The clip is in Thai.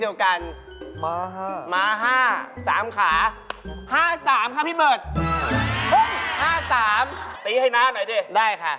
ตีให้น้าหน่อยสิได้ค่ะ